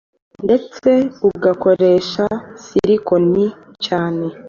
ndetse ugakoresha silikoni cyane